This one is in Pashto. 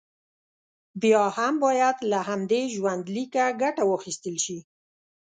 بیا هم باید له همدې ژوندلیکه ګټه واخیستل شي.